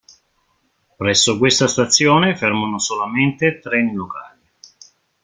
Presso questa stazione fermano solamente treni locali.